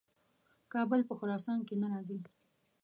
کابل په خراسان کې نه راځي.